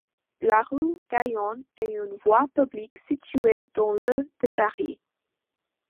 La rue Gaillon est une voie publique située dans le de Paris.